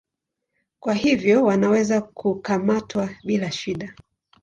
Kwa hivyo wanaweza kukamatwa bila shida.